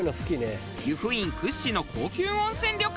由布院屈指の高級温泉旅館。